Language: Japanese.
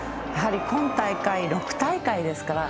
やはり、今大会６大会ですか。